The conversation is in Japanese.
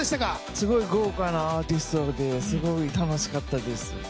すごい豪華なアーティストですごい楽しかったです。